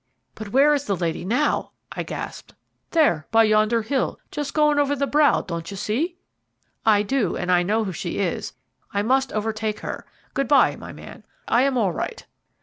'" "But where is the lady now?" I gasped. "There by yonder hill, just going over the brow, don't you see?" "I do, and I know who she is. I must overtake her. Good bye, my man, I am all right."